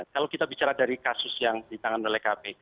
kalau kita bicara dari kasus yang ditangani oleh kpk